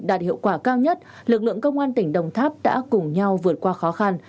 đạt hiệu quả cao nhất lực lượng công an tỉnh đồng tháp đã cùng nhau vượt qua khó khăn